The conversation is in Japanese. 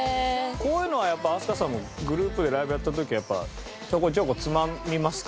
こういうのはやっぱ飛鳥さんもグループでライブやった時はちょこちょこつまみますか？